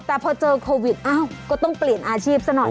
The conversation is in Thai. แต่พอเจอโควิดอ้าวก็ต้องเปลี่ยนอาชีพซะหน่อย